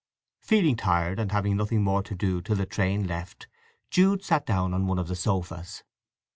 Feeling tired, and having nothing more to do till the train left, Jude sat down on one of the sofas.